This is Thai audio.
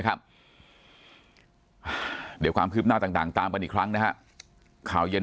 เดี๋ยวความคืบหน้าต่างตามกันอีกครั้งนะฮะข่าวเย็น